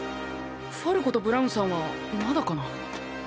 ファルコとブラウンさんはまだかな？